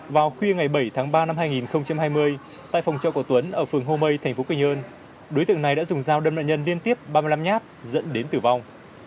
vào khuya ngày bảy tháng ba năm hai nghìn hai mươi tại phòng trọ của tuấn ở phường hô mây thành phố quy nhơn đối tượng này đã dùng dao đâm nạn nhân liên tiếp ba mươi năm nhát dẫn đến tử vong